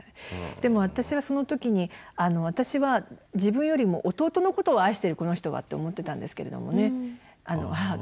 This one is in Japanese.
でも私はその時に私は「自分よりも弟のことを愛してるこの人は」って思ってたんですけれどもね母が。